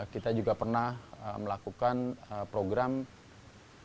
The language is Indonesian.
kita juga pernah melakukan program padi organik